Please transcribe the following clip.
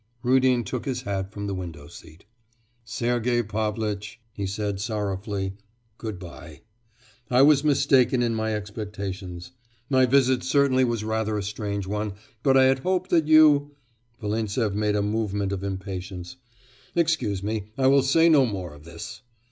Rudin took his hat from the window seat. 'Sergei Pavlitch!' he said sorrowfully, 'goodbye; I was mistaken in my expectations. My visit certainly was rather a strange one... but I had hoped that you... (Volintsev made a movement of impatience). ... Excuse me, I will say no more of this.